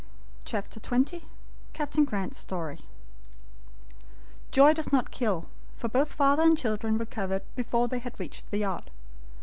CHAPTER XX CAPTAIN GRANT'S STORY JOY does not kill, for both father and children recovered before they had reached the yacht.